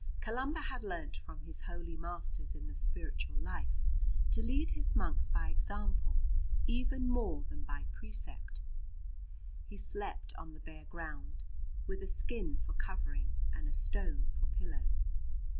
Columba had learnt from his holy masters in the spiritual life to lead his monks by example even more than by precept. He slept on the bare ground, with a skin for covering and a stone for pillow.